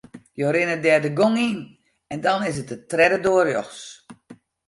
Jo rinne dêr de gong yn en dan is it de tredde doar rjochts.